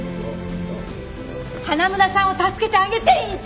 花村さんを助けてあげて院長！